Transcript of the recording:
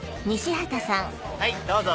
はいどうぞ。